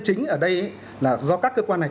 chính ở đây là do các cơ quan này